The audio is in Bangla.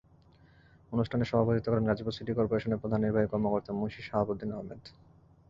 অনুষ্ঠানে সভাপতিত্ব করেন গাজীপুর সিটি করপোরেশনের প্রধান নির্বাহী কর্মকর্তা মুনশী শাহাবুদ্দীন আহমেদ।